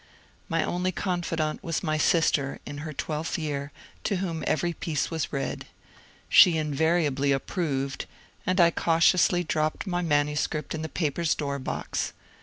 My only confidant was my sister (in her twelfth year), to whom every piece was read. She invariably approved, and I cautiously dropped my manuscript in the paper's door box.